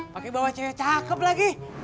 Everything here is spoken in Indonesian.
pake bawa cekere cakep lagi